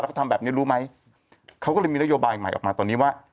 แล้วก็ทำแบบนี้รู้ไหมเขาก็เลยมีนโยบายใหม่ออกมาตอนนี้ว่า